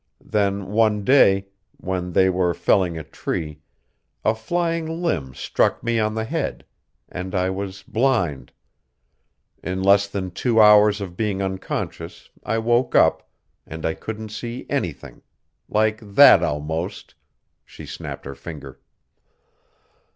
Then one day, when they were felling a tree, a flying limb struck me on the head and I was blind; in less than two hours of being unconscious I woke up, and I couldn't see anything like that almost," she snapped her finger.